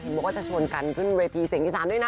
บอกว่าจะชวนกันขึ้นเวทีเสียงอีสานด้วยนะ